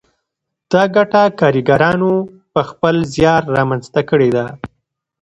دا ګټه کارګرانو په خپل زیار رامنځته کړې ده